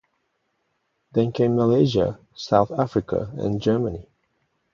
Then came Malaysia, South Africa and Germany.